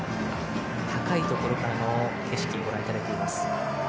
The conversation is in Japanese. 高いところからの景色をご覧いただいています。